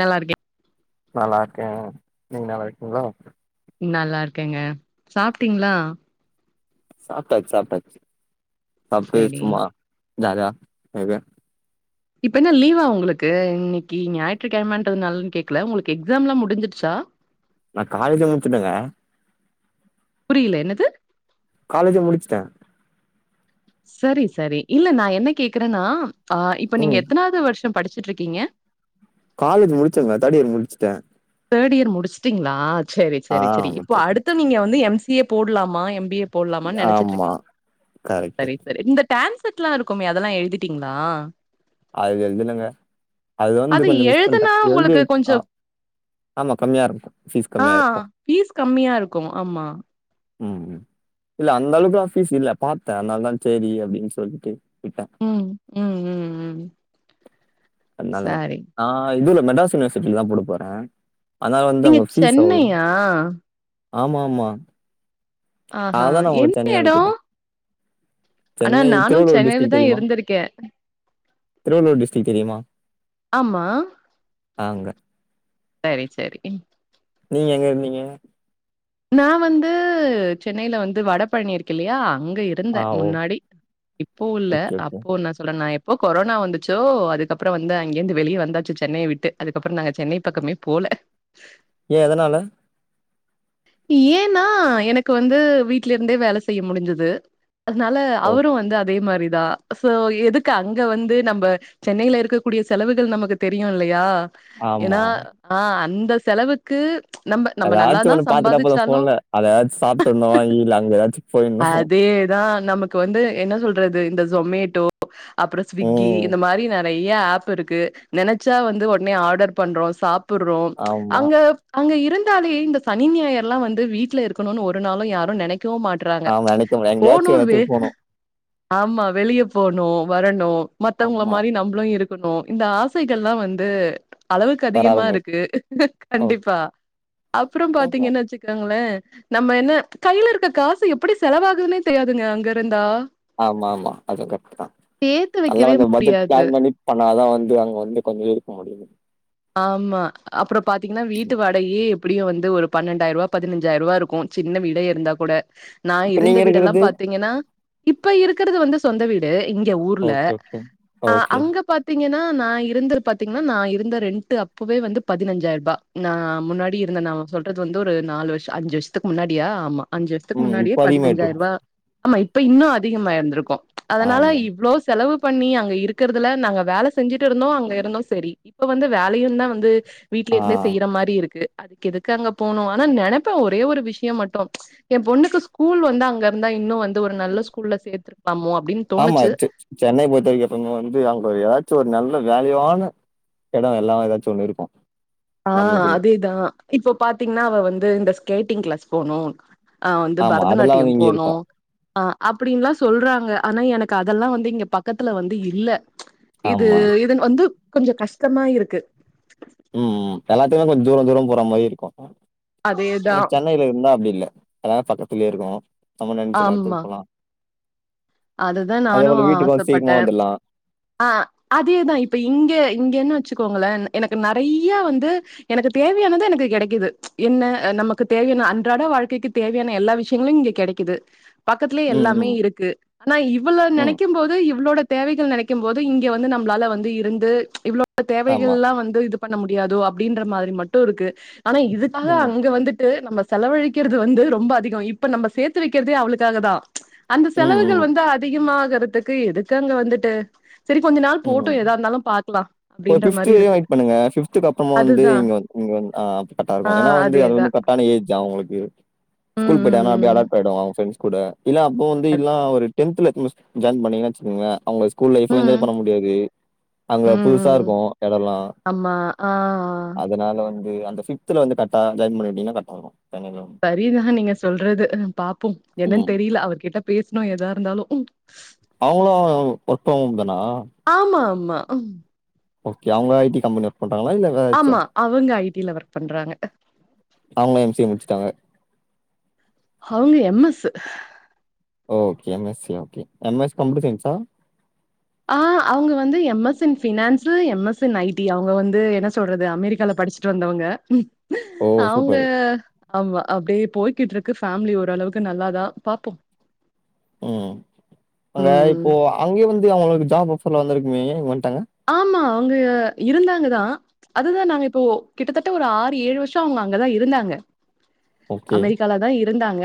நல்லாருக்கே நல்லாருக்கே நீங்க நல்லாருக்கிங்ளா நல்லாருக்கேங்க சாப்ட்டீங்ளா சாப்ட்டாச்சு சாப்ட்டாச்சு சாப்ட்டு சரி சும்மா ஜாலியா இருக்கேன் இப்ப என்னா லீவா உங்களுக்கு இன்னைக்கி ஞாயிற்றுக்கெழமன்றதுனாலன் கேக்ல உங்களுக்கு எக்ஸாம்லா முடிஞ்சிருச்சா நா காலேஜ் தா [unintelligible] புரியல என்னது காலேஜ்ஜு முடிச்ட்டே செரி செரி இல்ல நா என்ன கேக்குறான்னா ஆ இப்ப நீங்க ம் எத்தனாவது வருஷ படிச்சுட்ருக்கீங்க காலேஜ் முடிச்சங்க தேடியர் முடிச்சுட்டே தேடியர் முடிச்ட்டீங்ளா செரி ஆ செரி செரி இப்போ முடிச்சாச்சு அடுத்து நீங்க வந்து எம் சி ஏ போட்லாமா எம் பி ஏ போல்லாமான்னு ஆமா நெனச்சிட்ருக்கீங்க கரெக்ட் செரி செரி இந்த டான் செட்ல்லாயிருக்குமே அதெல்லா எழுதிட்டீங்ளா அது எழுதலங்க அது வந்து கொஞ்சோ மிஸ் பண்ட்டே எழுதுனா உங்களுக்கு எழுதிருக் கொஞ்சோ அ ஆமா கம்மியாருக்கு ஆ ஃபீஸ் கம்மியாருக்கு ஆமா ம் ம் இல்ல அந்தளவுக்லா ஃபீஸ் இல்ல பாத்த அதனால தா சேரி அப்டின் சொல்ட்டு விட்டே ம் ம் ம் ம் அதனாலதா சரி நா இதுல மெட்ராஸ் யூனிவர்சிட்டில தா போட போறே அதனால வந்து நீங்க அவுங்க ஃபீஸ் அவ்ளோ சென்னையா? ஆமா ஆமா ஆஹா! அதான நா உங்கள எந்த சென்னை எடம்? அனுப்பிட்டே ஆனா சென்னை நானும் திருவள்ளுவர் சென்னையில டிஸ்டிக் தான் தெரியுமா இருந்திருக்கேன். திருவள்ளுவர் டிஸ்ட்ரிக் தெரியுமா ஆமா. அங்க செரி செரி நீங்க எங்க இருந்தீங்க நா வந்து சென்னையில வந்து வட பழனி இருக்கில்லையா அங்க இரு ந்தே ஆ ஓ முன்னாடி இப்போ இல்ல ஓகே ஓகே அப்போ நா சொல்றே நா எப் போ கொரோனா வந்துச்சோ அதுக்கப்பற வந்து அங்கேந்து வெளிய வந்தாச்சு சென்னைய விட்டு அதுக்கப்பற நாங்க சென்னை பக்கமே போல ஏ எதனால ஏன்னா எனக்கு வந்து வீட்லருந்தே வேல செய்ய முடிஞ்சது அதனால ஓ அவரு வந்து அதே மாரிதா சோ எதுக்கு அங்க வந்து நம்ப சென்னைல இருக்கக்கூடிய செலவுகள் நமக்கு தெரியு இல்லையா ஆமா ஏன்னா ஆ அந்த செலவுக்கு ப்ச் நம்ம நம்ம ஏதாச்சு நல்லானா ஒண்ணு பாத்துட்டா போது ஃபோன்ல அத ஆச்சு சாப்டுர்னு இல்ல அங்க ஏதாச்சு போயிர்னு அதே தா நமக்கு வந்து என்ன சொல்றது இந்த சொமேட்டோ அப்ற ஸ்விக்கி ம் இந்த மாரி நெ றைய ஆப் இருக்கு நெனச்சா வந்து ஒட்னே ஆர்டர் பண்றோ சாப்புட்றோ ஆமா அங்க அங்க இருந்தாலே இந்த சனி ஞாயறுல்லா வந்து வீட்ல இருக்கணுனு ஒரு நாளு யாரு நெனைக்கவு மாட் றாங்க ஆமா நெனைக்க முடியாது எங்கயாச்சு போனு வெ எடத்துக்கு போனு ஆமா வெளிய போணு வரணு மத்தவங்கள ஆமா மாரி நம் மளு இருக்கணு இந்த ஆசைகள்லா வந்து அளவுக்கு அதிகமா வராரும்போது இருக்கு ஓகே கண்டிப்பா அப்புற ஆமா பாத்தீங்கன்னாச்சு கங்களே நம்ம என்ன கையில இருக்க காசு எப்டி செலவாகுதுன்னே தெரியாதுங்க அங்க இருந்தா ஆமா ஆமா அதுவு கரெக்ட் தா சேர்த்து நல்லா வைக்கவே வந்து பட்ஜெட் முடியாது. பிளான் பண்ணி பண்ணாதா வந்து அங்க வந்து கொஞ்ச இருக்க முடியுது ஆமா அப்புற பாத்தீங்கன்னா வீட்டு வாடகயே எப்டியு வந்து ஒரு பன்னெண்டாயிரருவா பதினஞ்சாயிரருவா இருக்கு சின்ன வீடே இருந்தா கூட நா இப்ப இருந்த நீங்க வீடெல்லா இருக்கறது பாத்தீங்கன்னா இப்ப இருக்குறது வந்து சொந்த வீடு இங்க ஊர்ல ஓகே ஓகே அ ஓகே அங்க பாத் தீங்கன்னா நா இருந்தர் பாத்தீங்கன்னா நா இருந்த ரெண் டு அப்பவே வந்து பதினஞ்சாயிருபா நா முன்னாடி இருந்த நா சொல்றது வந்து ஒரு நாலு வருஷ அஞ்சு வருஷத் துக்கு முன்னாடியா ஆமா அஞ்சு வருஷத்துக்கு ம் முன்னாடியே இப்ப அதிகமாயிட்ருக்கு பதினஞ்சாயிருவா ஆமா இப்ப இன்னு அதிகமாயிருந்திருக்கு அதனால ஆமா இவ்ளோச் செலவு பண்ணி அங்க இருக்கறதுல நாங்க வேல செஞ்சுட்டு இருந்தோ அங்க இருந்தோ சரி இப்ப வந்து வேலயுந்தா வந்து வீட்ல ஆ இருந்தே செய்ற மாரி இருக்கு அதுக்கு எதுக்கு அங்க போணு ஆனா நெனப்பே ஒரே ஒரு விஷயோ மட்டு எ பொண்ணுக்கு ஸ்கூல் வந்து அங்க இருந்தா இன்னு வந்து ஒரு நல்ல ஸ்கூல்ல சேத்திருக்கலாமோ அப்டின் ஆமா செ சென்னைய பொறுத்த வரைக்கு எப்பயுமே வந்து ஆமா கொஞ்ச ஏதாச்சு ஒரு நல்ல வேல்யுவான எடொ எல்லா ஏதாச்சு ஒன்னு இருக்கு ஆ அதேதா இப்போ பாத்தீங்கன்னா அவ வந்து இந்த ஸ்கேட்டிங் கிளாஸ் போனு ஆ வந்து ஆமா. அதெல்லாம் பரதநாட்டிய வந்து இங்க போணு இருக்கும். அ அப்டின்ல்லா சொல்றாங்க ஆனா எனக்கு அதெல்லா வந்து இங்க பக்கத்துல வந்து இல்ல இது ஆமா. இது வந்து கொஞ்ச கஷ்டமா இருக்கு ம் எல்லாத்துகு கொஞ்ச தூரோ தூரோ போற மாரி இருக்கு ஆனா அதேதான் சென்னையில இருந்தா அப்டி இல்ல எல்லா பக்கத்துலயே இருக்கு நம்ம நெனச்ச நேரத்துக்கு போலா அதுதா நானு வீட்டுக்கும் சீக்கிரமா ஆசப்பட்டே வந்துடலாம். ஆ அதேதா இப்ப இங்க இங்க என்ன வெச்சுக்கோங்களே எனக்கு நெறைய வந்து எனக்கு தேவையானது எனக்கு கெடைக்குது என்ன நமக்கு தேவையான அன்றாட வாழ்க்கைக்கு தேவையான எல்லா விஷயங்களு இங்க கெடைக்குது பக்கத்துலயே ம், எல்லாமே ம், இருக்கு ஆனா இவள ம். நெனைக்கும் போது இவளோட தேவைகள் நெனைக்கும் போது இங்க வந்து நம்ளால வந்து இருந்து இவ்ளோ தேவைகள் ஆமா. எல்லா வந்து இது பண்ண முடியாதோ அப்டின்ற மாரி மட்டு இருக்கு ஆனா இதுக் காக ம், அங்க வந்துட்டு நம்ம செலவழிக்கிறது வந்து ரொம்ப அதிக இப்ப நம்ப சேத்து வைக்கிறதே அவளுக்காக தா அந்த ம், செலவுகள் ம், வந்து அதிகமாகுறதுக்கு எதுக்கு அங்க வந்துட்டு சரி கொஞ்ச நாள் ம். போட்டு எதா இருந்தாலு பாக்குலா ஒரு அப்டின்ற மாரி வரையும் இருக்கு வெயிட் பண்ணுங்க. அப்புறமா வந்து அதுதா இங்க வந்து இங்க வந்து அ அப்ப கரெக்டா ஆ இருக்கு ஏன்னா வந்து அது அதேதா வந்து கரக் டான ஏஜ் அவங்களுக்கு ம் ஸ்கூல் போயிட்டனாங்கனா அப்டி ம் அடாப்ட் ஆயிடுவாங்க அவங்க ஃப்ரெண்ட்ஸ் கூட இல்ல அப்போ வந்து இல்லனா ஒரு டென்த்துல இங்க ஜாயின் பண்ணீங்கனு வச்சிகோங்களே அவங்க ஸ்கூல் லைஃப் ம் ம் பண்ண முடியாது அங்க புதுசா இருக்கோ எடோலா அம்மா அப் அதனால வந்து அந்த ஃபிப்த்துல வந்து கர்ட்டா ஜாயின் பண்ணிவிட்டீங்கனா கர்ட்டா இருக்கோ சரிதா நீங்க சொல்றது பாப்போ என்னன்னு ம். தெரில அவர் கிட்ட பேசுனோ எதா இருந்தாலு அவங்களு ஒர்க் ஃப்ரம் ஹோம் தானா ஆமா ஆமா ஓகே அவுங்க ஐ டி கம்பனி ஒர்க் பண்ணறாங்களா இல்ல வேற ஏதாச்சா? ஆமா அவுங்க ஐ டில ஒர்க் பண்றாங்க அவுங்க எம் சி எ முடிச்சுட்டாங்க அவுங்க M S okay M S C okay M S computer சயின்ஸா ஆ அவுங்க வந்து M S in finance M S in I T அவுங்க வந்து என்ன சொல்றது அமெரிக்கால படிச்சு முடிச்ட்டு வந்தவங்க ஓ அவுங்க சூப்பர். ஆமா அப்டியே போய்கிட்டு இருக்கு ஃபேமிலி ஓரளவுக்கு நல்லாதா பாப்போ ம் அங்க ம் ம் இப்போ அங்கயே வந்து அவுங்குளுக்கு ஜாப் ஆஃபர்லா வந்திருக்குமே ஏ இங்க வந்த்ட்டாங்க ஆமா அவுங்க இருந்தாங்கதா அதுதா நாங்க இப்போ கிட்டத்தட்ட ஒரு ஆறு ஏழு வர்சோ அவுங்க அங்கதா இருந்தாங்க ஓகே. அமெரிக்காலதா இர் ந்தாங்க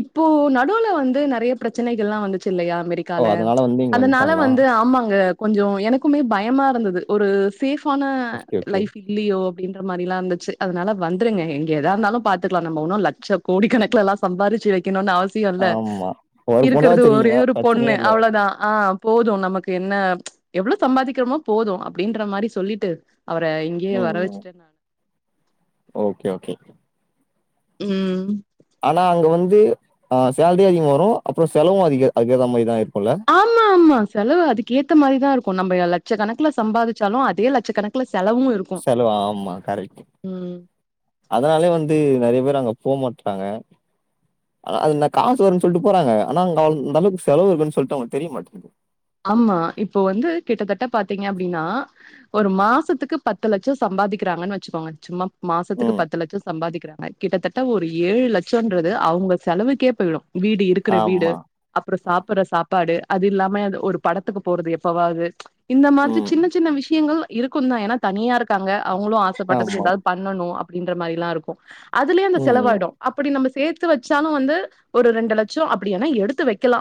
இப்போ நடுவுல வந்து நறைய பிரச்சனைகல்லா வந்துச்சு இல்லையா அமெரிக் ஓ கால அதனால வந்து இங்க அதனால வந்துட்டாங்களா? வந்து ஆமாங்க கொஞ்சோ எனக்குமே பயமா இருந்துது ஒரு சேஃபான ஓகே ஓகே. லைஃபி இல்லியோ அப்டீன்ற மாரிலா இர்ந்துச்சு அதனால வந்துருங்க எங்க எதா இருந்தாலு பாத்துக்கலா நம்ப ஒன்னோ லட்ச கோடி கணக்கலலா சம்பாறிச்சு வெக்கணோனு அவசியோ இல்ல ஆமா ஒரு பொண்ண இருக்கறது ஒரே வச்சிருக்கீங்க ஒரு பிரச்சனையே பொண்ணு இல்ல அவ்ளோதா ஆங் போது நமக்கு என்ன எவ்ளோ சம்பாதிக்கிறோமோ போது அப்டீன்ற மாதிரி சொல்லிட்டு அவர இங்கயே ம் வர ம் வச்சுட்டே நானு ஓகே ஓகே உம் ஆனா அங்க வந்து அ சேலரி அதிகமா வரோ அப்புறோ செலவோ அதிக அங்க ரொம்ப இதா இருக்கோல கேட்கவில்லை ஆமா ஆமா செலவு அதுக்கு ஏத்த மாரிதா இருக்கோ நம்ப லட்சக்கணக்குல சம்பாதிச்சாலு அதே லட்சக்கணக்குல செலவு இருக் செலவா ஆமா கரட் அதனாலே வந்து நறைய பேர் அங்க போமாட்றாங்க ஆனா அதுல காசு வருன்னு சொல்ட்டு போறாங்க ஆனா அங்க அந்த அளவுக்கு செலவு இருக்கோன்னு சொல்ட்டு அவங்குளுக்கு தெரிய மாட்டேக்குது ஆமா இப்போ வந்து கிட்டத்தட்ட பாத்தீங்க அப்டீன்னா ஒரு மாசத்துக்கு பத்து லட்சோ சம்பாதிக்கிறாங்கன்னு வச்சுக்கோங்க சும்மா மாசத்துக்கு ம் பத்து லட்சோ சம்பாதிக்கிறாங்க கிட்டத்தட்ட ஒரு ஏழு லட்சோன்றது அவுங்க செலவுக்கே போயிடோ வீடு இருக்குற வீடு ஆமா அப்புறோ சாப்புடுற சாப்பாடு அது இல்லாம அது ஒரு படத்துக்கு போறது எப்பவாவது இந்த மாதிரி ம் சின்ன சின்ன விஷயங்கள் இருக்குந்தா ஏன்னா தனியா இருக்காங்க அவுங்களு ஆசப்பட்டதுக்கு ஆமா எதாவது பண்ணணோ அப்டீன்ற மாரிலா இருக்கோ அதுலயே இந்த ம் ம் செலவாயிடோ அப்படி நம்ம சேத்து வச்சாலு வந்து ஒரு ரெண்டு லட்சோ அப்டிவேனா எடுத்து வெக்கலா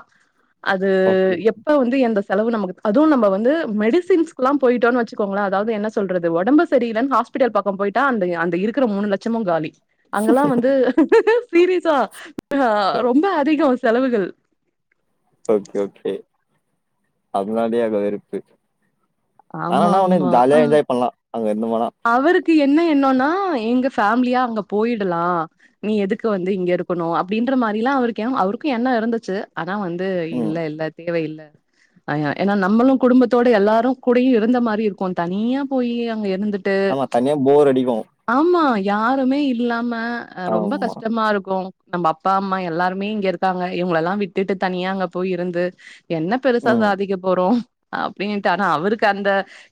அது ஓகே எப் வந்து எந்த செலவு நமக்கு அதுவு நம்ம வந்து மெடிசின்ஸ்க்குலா போயிட்டோ வெச்சுக்கோங்கலே அதாவது என்ன சொல்றது ஒடம்பு சரியலன் ஹாஸ்பிட்டல் பக்கோ போய்ட்டா அந்த இருக்குற மூணு லட்சமு காலி அங்கெல்லா வந்து சீரியஸா அ ரொம்ப அதிகோ செலவுகள் ஓகே ஓகே அதனாலயே வெறுப்பு ஆமா ஆனா ஒண்ணு ஆமா ஆ ஜாலியா என்ஜாய் பண்லா அங்க இருந்து மானா அவருக்கு என்ன எண்ணோனா எங்க ஃபேமிலியா அங்க போயிடலா நீ எதுக்கு வந்து இங்க இருக்கணு அப்டின்ற மாரிலா அவருக்கு அவருக்கு எண்ணோ இருந்துச்சு அதா வந்து ம் இல்ல இல்ல தேவயில்ல அ ஏன்னா நம்மளு குடும்பத்தோட எல்லாரு கூடையு இருந்த மாரி இருக்கு தனியா போய் அங்க இருந்துட் ஆமா தனியா போர் அடிக்கு ஆமா யாருமே இல்லாம அ ரொம்ப ஆமா கஷ்டமா இருக்கு நம்ப அப்பா அம்மா எல்லாருமே இங்க இருக்காங்க இவங்கள எல்லா விட்டுட்டு தனியா அங்க போய் இருந்து என்ன பெருசா ம் சாதிக்க போறோ அப்டின்ட்டு ஆனா அவருக்கு அந்த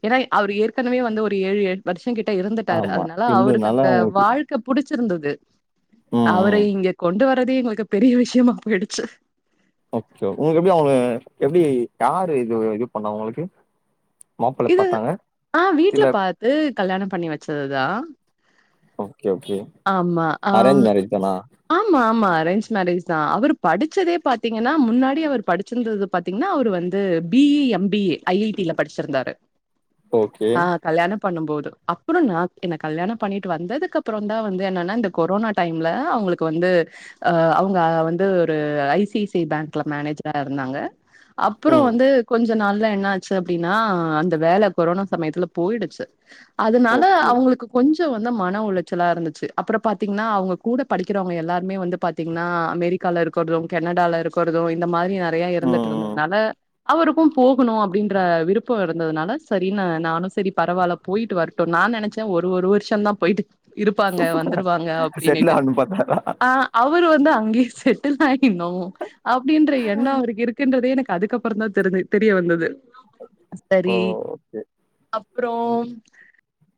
ஏனா அவர் ஏற்கனவே வந்து ஒரு ஏழு எ கிட்ட இருந்துட்டாரு ஆமா அதனால அவருக்கு இந்துனால அந்த அவங்களுக்கு வாழ் கு புடிச்சிருந்தது ம் ம் அவரை இங்க கொண்டு வரதே எங்களுக்கு பெரிய விஷயமா போயிடுச்சு ஓகே உங்களுக்கு எப்டி அவங்க எப்டி யாரு இது இது பண்ணா உங்களுக்கு மாப்பிள்ள பாத்தாங்க இல்ல து கல்யாணம் பண்ணி வச்சதுதா ஓகே ஓகே அரேஞ்ச் மேரேஜ் தானா ஆம் ஆமா அரேஞ்ச் மேரேஜ் தா அவர் படிச்சதே பாத்தீங்கன்னா முன்னாடி அவர் படிச்சிருந்தது பாத்தீங்ன்னா அவரு வந்து B E M B A I I டில படிச்சிருந்தாரு ஓகே ஆ கல்யாணம் பண்ணும் போது அப்புறம்னா என்ன கல்யாணம் பண்ணிட்டு வந்ததுக்கு அப்புறந் தா வந்து என்னன்னா இந்த கொரோனா டைம்ல அவுங்ளுக் கு வந்து அவுங்க வந்து ஒரு ஐ சி சி ஐ பேங்க்ல மேனேஜரா இருந்தாங்க அப்புறோ ம் வந்து கொஞ் கொஞ்ச நாள்ல என்ன ஆச்சு அப்டின்னா அந்த வேல கொரோனா சமயத்துல போயிடுச்சு அதனால ஓகே அவுங்களுக்கு கொஞ்ச வந்து மன உளைச்சலா இருந்துச்சு அப்புறோ பாத்தீங்ன்னா அவங்க கூட படிக் கிறவங்க எல்லாருமே வந்து பாத்தீங்ன்னா அமெரிக்கால இருக்குறது கெனடால இருக் குறது இந்த மாரி நெறைய ம் இருந்துட்டு ம் இருந்ததுனால அவருக்கு போகணு அப்டின்ற விருப்பம் இருந்ததுனால சரின்னு நானு செரி பரவால்ல போயிட்டு வரட்டு நா நெனச்சே ஒரு ஒரு வர்ஷந்தா போயிட்டு இருப்பாங்க வந்துருவாங்க அப்டின்னுட்டு பாத்தாக்கா அ அவுர் வந்து அங்கியே செட்டில் ஆயின்னு அப்டின்ற எண்ணோ அவருக்கு இருக் குன்றதே எனக்கு அதுக்கப்புறந் தா தெர்து தெரிய வந்தது ஓ சரி ஓகே அப்றோம்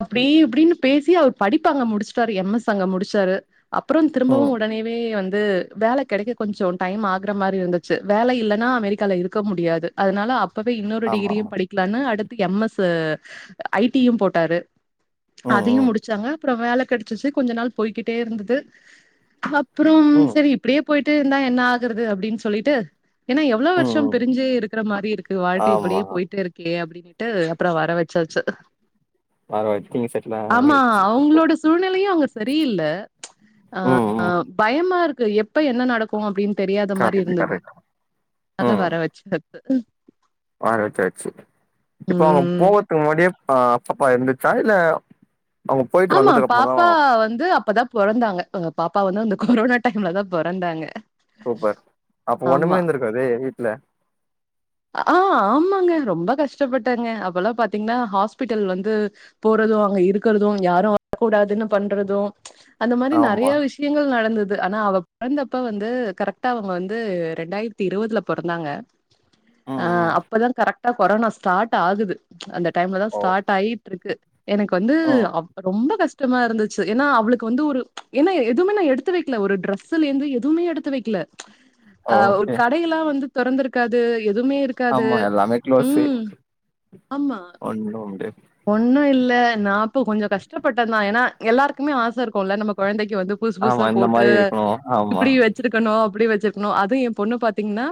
அப்டி இப்டின்னு பேசி அவர் படிப்பங்க முடிச்சிட்டாரு எம் எஸ் அங்க முடிச்சாரு அப்புறோ திரும்பவு ம் உடனேவே வந்து வேல கெடைக்க கொஞ்சோ டைம் ஆகுற மாரி இருந்துச்சு வேல இல்லன்னா அமெரிக்கால இருக்க முடியாது அதனால அப் பவே இன்னொரு ஆமா டிகிரியு படிக்கலான்னு அடுத்து எம் எஸ் ஐ டியும் போட்டாரு ஆமா ம் அதையு ம் முடிச்சாங்க அப்புறோ வேல கெடைச்சுச்சு கொஞ்ச நாள் போய்கிட்டே இருந்தது அப்புறோ ம் சரி இப்டியே போயிட்டு இருந்தா என்ன ஆகுறது அப்டின்னு சொல்லிட்டு ஏனா எவ்ளோ ம் வர்ஷோ ம் பிரிச்சே இருக்கற மாரி இருக்கு வாழ்க்கை ஆமா இப்படியே போயிட்டு இருக்கே அப்டின்னு ட்டு அப்பறோ வர வெச்சாச்சு வரவெச்சிடிங்க செட்டில் ஆகாமயே [unintelligible] சூழ்நெலையு அங்க செரியில்ல அ ம் அ ம் பயமா இருக்கு எப்ப என்ன நடக்கு அப்டின் தெரியாத மாரி கரெக்ட் இருந்தது கரெக்ட் தானா ம் வர வச்சு வர வச்சாச்சு இப்ப அவுங்க ம் போவறதுக்கு முன்னாடியே அ பாப்பா இருந்துச்சா இல்ல அவங்க போயிட்டு ஆமா வந்ததுக்கு அப்புறமா தா பாப்பா வந்து அப்பதா பொறந்தாங்க எங்க பாப்பா வந்து அந்த கொரோனா டைம்ல தா பொறந்தாங்க சூப்பர் அப்ப ஒண்ணுமே ஆமா இருந்திருக்காதே வீட்ல ஆ ஆமாங்க ரொம்ப கஷ்டப்பட்டேங்க அப்பலா பாத்தீங்ன்னா ஹாஸ்பிட்டல் வந்து போறது அங்க இருக்குறது யாரு வரக்கூடாதுன்னு பண்றது அந்த மாரி ஆமா நெறையா விஷ் விஷ்யங்கள் நடந்தது ஆனா அவ பொறந்தப்ப வந்து கரெக்டா அவுங்க வந்து ரெண்டாயிரத்தி இருவதுல பொறந்தாங்க ம் அ ம் அப்பதா கரெக்டா கொரோனா ஸ்டாட் ஆகுது அந்த டைம்ல தா ஓ ஸ்டாட் ஆகிட்ருக்கு எனக்கு வந்து ம் அவ் ரொம்ப கஷ்டமா இருந்துச்சு ஏனா அவளுக்கு வந்து ஒரு ஏனா எதுமே நா எடுத்து வைக்கல ஒரு ட்ரெஸ் ஸ்ல இருந்து எதுமே எடுத்து வைக்கல அ ஒரு ஓகே கடையெல்லா வந்து தொறந்துருக்காது எதுமே இரு இருக்காது ஆமா எல்லாமே க்ளோஸு ம் ஆமா ஒண்ணும் முடியாது ஒண்ணு இல்ல நா அப்போ கொஞ்சோ கஷ்டப்பட்டந்தா ஏனா எல்லாருக்குமே ஆச இருக்குல்ல நம்ம கொழந்தைக்கு வந்து புதுசு ஆமா புதுசா இந்த போட்டு மாரி இருக்கணு ஆமா இப்டி வச்சுருக்கணு அப்டி வச்சுருக்கணு அது எ பொண்ண பாத்தீங்கன்னா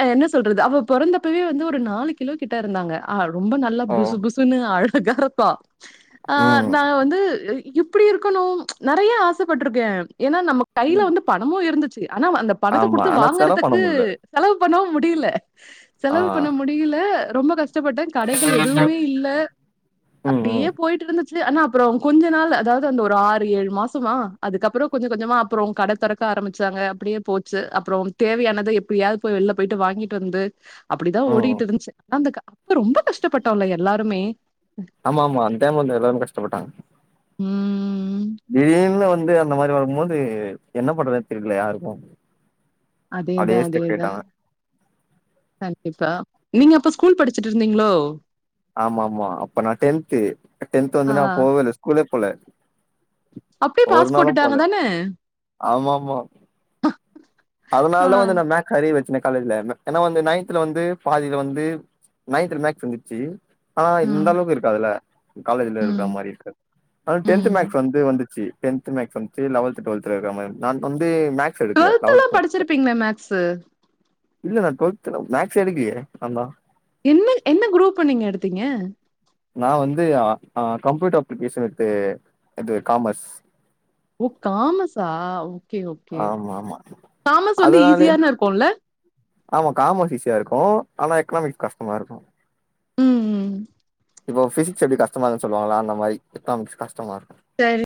அ என்ன சொல்றது அவ பொறந்தப்பவே வந்து ஒரு நாலு கிலோ கிட்ட இருந்தாங்க ஆ ரொம்ப நல்லா ஓ புசு புசுன்னு அழகா இருப்பா ஆ ம் நா வந்து இப்டி இருக்கணும் நெறய ஆசப்பட்ருக்கே ஏனா நம்ம கைல ம். வந்து பணமு இருந்துச்சு ஆனா அந்த பணத்த ஆமா குடுத்து ஆனா செலவு பண்ண வாங்கறதுக்கு முடில செலவு பண்ணவு முடில ஆ செலவு பண்ண முடில ரொம்ப கஷ் கஷ்டப்பட்டே கடைகள் எதுவுமே இல்ல ம் அப்டியே ம் போய்ட்டு இருந்துச்சு ஆனா அப்பறோ கொஞ்ச நாள் அதாவது அந்த ஒரு ஆறு ஏழு மாசமா அதுக்கப்பறோ கொஞ்ச கொஞ்சமா அப்பறோ கட தொறக்க ஆரம்முச்சாங்க அப்டியே போச்சு அப்பறோ தேவையானத எப்டியாவது போய் வெளில போய்ட்டு வாங்கிட்டு வந்து அப்பிடிதா ம் ஓடிக்கிட்ருந்ச்சு அந்த அப்ப ரொம்ப கஷ்டப்பட்டோல எல்லாருமே ஆமா ஆமா அந்த டைம் வந்து எல்லாரு கஷ்டப்பட்டாங்க ம் திடீர்னு வந்து இந்த மாரி வரும்போது என்ன பண்றதுன் தெரில யாருக்கு அதேதா அப்டியே ஸ்டக் அதேதா ஆயிட்டாங்க கண்டிப்பா நீங்க அப்ப ஸ்கூல் படுச்சுட்ருந்தீங்களோ ஆமா ஆமா அப்ப நா டென்து டென்த் ஆ வந்து நா போவே இல்ல ஸ்கூலே போல அப்டியே ஒரு பாஸ் நாளு போட்டுட்டாங்க போல தான ஆ அதுனாலதா வந்து நா மேக்ஸ் அரியர் வச்சனே காலேஜ்ல ஏனா வந்து நைன்த்ல வந்து பாதில வந்து நைன்த்ல மேக்ஸ் வந்ச்சு ஆனா இந்த ம் அளவுக்கு இருக்காதுல காலேஜுல இருக்குற ம் மாரி இருக்காது ஆனா டென்த் ம் மேக்ஸ் வந்து வந்துச்சு டென்து மேக்ஸ் வந்துச்சு லவல்த்து டுவல்த்ல இருக்கா மாரி நா வந்து மேக்ஸ் எடு டுவெல்த்லா லவல்த்து வண்டே படிச்சிருப்பீங்களே மேக்ஸு இல்ல நா டுவெல்த்ல மேக்ஸே எடுக்கலயே நாந் தா என்ன என்ன குரூப்பு நீங்க எடுத்தீங்க நா வந்து அ அ கம்ப்யூட்டர் அப்ளிகேஷன் வித் இது காமர்ஸ் ஓ காமஸா ஓகே ஓகே ஆமா ஆமா காமஸ் வந்து அதனாலே ஈஸியான இருக்குல ஆமா காமஸ் ஈஸியா இருக்கு ஆனா எக்னாமிக்ஸ் கஷ்டமா இருக்கு ம் ம் இப்போ பிசிக்ஸ் எப்டி கஷ்டமா இருக்குது சொல்வாங்கல்ல அந்த மாரி எக்னாமிக்ஸ் கஷ்டமா இருக்கு சரி